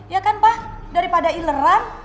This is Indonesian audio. ya kan pak daripada ileran